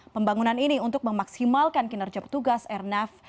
pembangunan ini untuk memaksimalkan kinerja petugas airnav